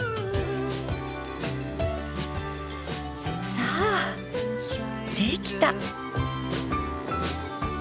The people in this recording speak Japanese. さあできた！